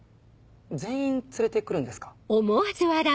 全員連れて来るんですか？